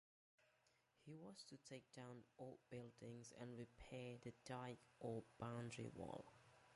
He was to take down old buildings and repair the dyke or boundary wall.